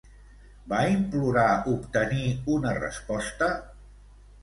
Va implorar obtenir una resposta?